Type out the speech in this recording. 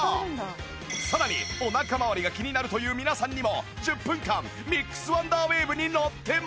さらにお腹まわりが気になるという皆さんにも１０分間ミックスワンダーウェーブに乗ってもらうと